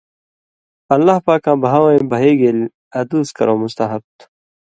اللہ پاکاں بھا وَیں بھَئ گیل ادُوس کَرٶں مستحب تھُو۔